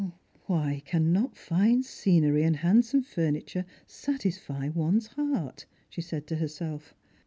" Why cannot fine scenery and handsome furniture satisfy one's heart ?" she said to herself.